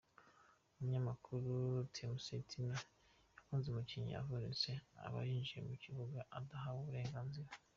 Umunyamakuru Mc Tino yacunze umukinnyi avunitse aba yinjiye mu kibuga adahawe uburenganzira.